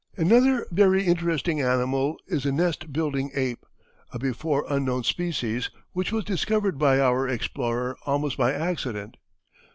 Another very interesting animal is the nest building ape, a before unknown species, which was discovered by our explorer almost by accident.